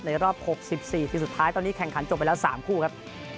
รอบ๖๔ทีมสุดท้ายตอนนี้แข่งขันจบไปแล้ว๓คู่ครับ